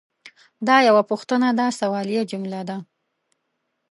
دا یوه پوښتنه ده – سوالیه جمله ده.